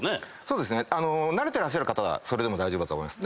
慣れてらっしゃる方はそれでも大丈夫だと思います。